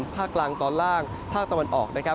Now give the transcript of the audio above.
ภาคกลางตอนล่างภาคตะวันออกนะครับ